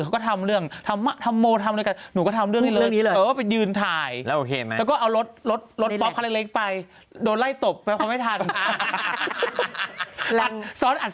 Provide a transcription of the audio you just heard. เขาก็ให้สัมภาษณ์